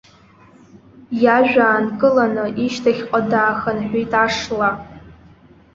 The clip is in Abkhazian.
Иажәа аанкыланы ишьҭахьҟа даахынҳәит ашла.